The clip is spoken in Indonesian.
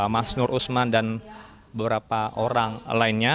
mas nur usman dan beberapa orang lainnya